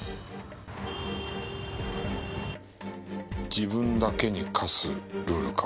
「自分だけに課すルール」か。